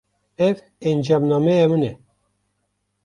Ev encamnameya min e.